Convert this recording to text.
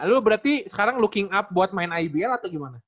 lalu berarti sekarang looking up buat main ibl atau gimana